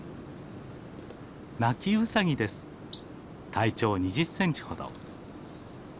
体長２０センチほど。